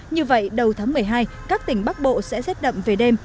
như vậy đầu tháng một mươi hai các tỉnh bắc bộ sẽ rét đậm về đêm